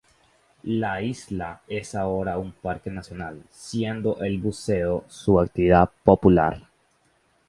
La isla es ahora un Parque nacional, siendo el buceo su actividad popular.